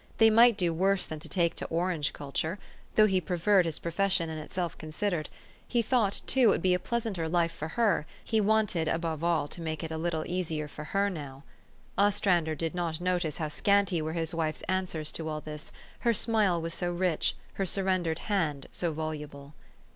They might do worse than to take to orange culture ; though he preferred his profession in itself considered : he thought, too, it would be a pleasanter life for her ; he wanted, above all, to make it a little easier for her now. Ostrander did not notice how scanty were his wife's answers to all this, her smile was so rich, her surrendered hand so voluble.